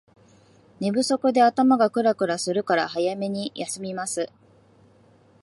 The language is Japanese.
寝不足で頭がクラクラするから早めに休みます